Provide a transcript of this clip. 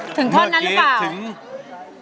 ถึงท่อนั้นหรือเปล่า